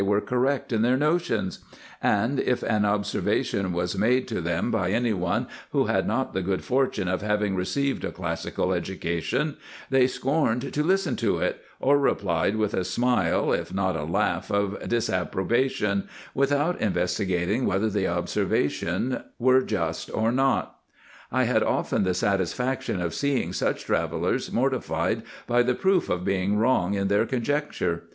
257 were correct in their notions ; and if an observation was made to them by any one, who had not the good fortune of having received a classical education, they scorned to listen to it, or replied with a smile, if not a laugh of disapprobation, without investigating whether the observation were just or not. I had often the satisfaction of seeing such travellers mortified by the proof of being wrong in their conjecture.